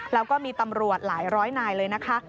แล้วก็มีตำรวจหลายร้อยนายเลยนะคะ